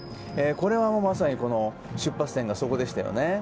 これもまさに出発点がそこでしたよね。